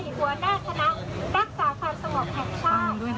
หัวหน้าคณะรักษาความสงบแห่งชาติ